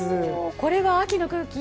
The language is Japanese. これが秋の空気？